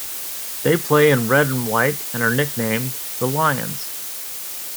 They play in red and white and are nicknamed "The Lions".